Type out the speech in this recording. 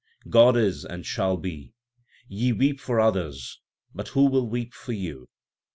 1 God is and shall be. Ye weep for others, but who will weep for you